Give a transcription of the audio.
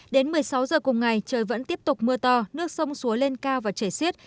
đến một mươi sáu giờ cùng ngày trời vẫn tiếp tục mưa to nước sông suối lên cao và chảy xiết